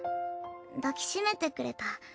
抱きしめてくれた。